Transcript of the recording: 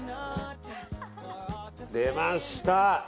出ました！